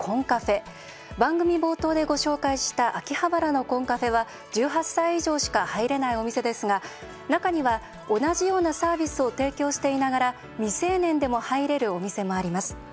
番組冒頭でご紹介した秋葉原のコンカフェは１８歳以上しか入れないお店ですが中には同じようなサービスを提供していながら未成年でも入れるお店もあります。